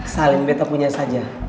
saling betapunya saja